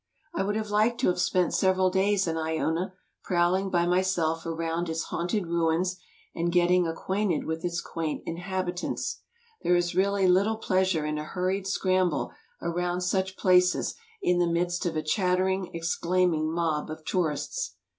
I would have liked to have spent several days in lona, prowling by myself around its haunted ruins and getting acquainted with its quaint inhabitants. There is really litde pleasure in a hurried scramble around such places in the midst of a chattering, exclaiming mob of tourists.